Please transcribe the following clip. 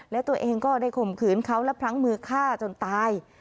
และตัวเองก็ได้ข่มขืนเขาและพลั้งมือฆ่าจนตาย